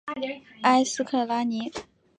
埃斯克拉尼。